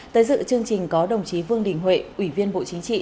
tới dự chương trình có đồng chí vương đình huệ ủy viên bộ chính trị